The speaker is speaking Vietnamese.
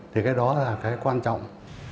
thì cái đó là quan trọng